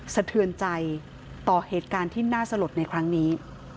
สะเทือนใจต่อเหตุการณ์ที่น่าสลดในครั้งนี้